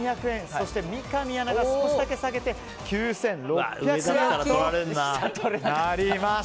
そして三上アナが少しだけ下げて９６００円。